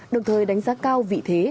đồng thời đánh giá cao vị thế